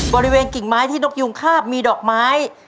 กิ่งไม้ที่นกยูงคาบมีดอกไม้